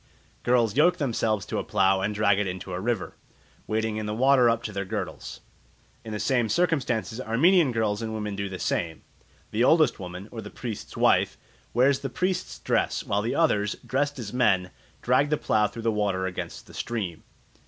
Girls yoke themselves to a plough and drag it into a river, wading in the water up to their girdles. In the same circumstances Armenian girls and women do the same. The oldest woman, or the priest's wife, wears the priest's dress, while the others, dressed as men, drag the plough through the water against the stream.